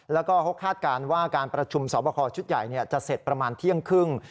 แล้วก็เขาคาดการณ์ว่าการประชุมสอบคอชุดใหญ่จะเสร็จประมาณเที่ยงครึ่ง